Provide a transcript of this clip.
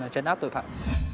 trấn áp tội phạm